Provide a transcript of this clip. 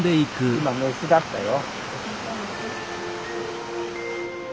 今メスだったよ。